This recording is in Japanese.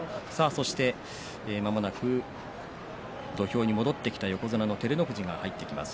そして、まもなく土俵に戻ってきた横綱の照ノ富士が入ってきます。